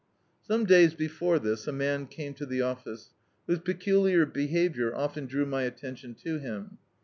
Some days before this, a man came to the office, whose peculiar behaviour often drew my attention to him.